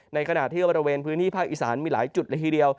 ในขณะที่บริเวณพื้นที่ภาคอีสานมีหลายจุดละทีเดียว